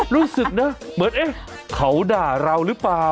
รู้สึกนะเหมือนเอ๊ะเขาด่าเราหรือเปล่า